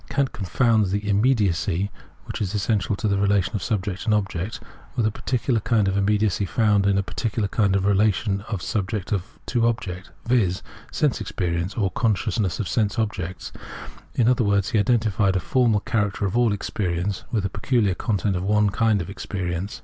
Kant confounded the ' immedi acy ' which is essential to the relation of subject and object with a particular kind of immediacy found in a particular kind of relation of subject to object, viz. sense experience, or consciousness of sense objects. In other words, he identified a formal character of all experience with the peculiar content of one kind of experience.